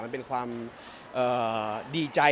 มันเป็นความดีใจ